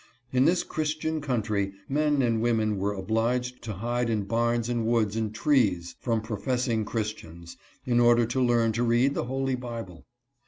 In this Christian country men and women were obliged to hide in barns and woods and trees A BAND OF BROTHERS. 189 from professing Christians, in order to learn to read the Holy Bible.